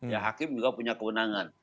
ya hakim juga punya kewenangan